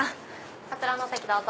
こちらのお席どうぞ。